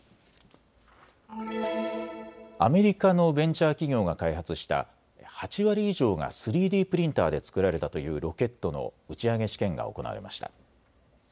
アメリカのベンチャー企業が開発した８割以上が３Ｄプリンターで作られたというロケットの打ち上げ試験が行われました。